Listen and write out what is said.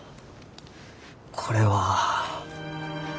これは。